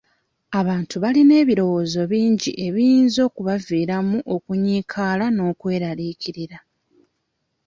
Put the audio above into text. Abantu balina ebirowoozo bingi ebiyinza okubaviiramu okunyiikaala n'okweraliikirira.